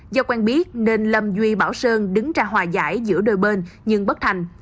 do quen biết nên lâm duy bảo sơn đứng ra hòa giải giữa đôi bên nhưng bất thành